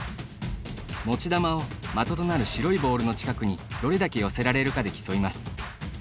持ち玉を的となる白いボールの近くにどれだけ寄せられるかで競います。